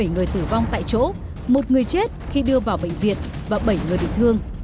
bảy người tử vong tại chỗ một người chết khi đưa vào bệnh viện và bảy người bị thương